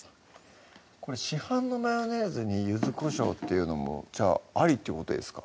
これ市販のマヨネーズに柚子こしょうっていうのもじゃあありってことですか？